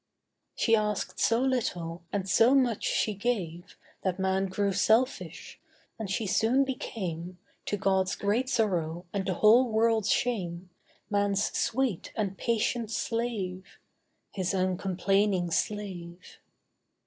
She asked so little, and so much she gave, That man grew selfish: and she soon became, To God's great sorrow and the whole world's shame, Man's sweet and patient slave— His uncomplaining slave.